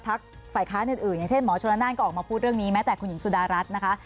ฝ่ายค้านอื่นอย่างเช่นหมอชนละนานก็ออกมาพูดเรื่องนี้แม้แต่คุณหญิงสุดารัฐนะคะ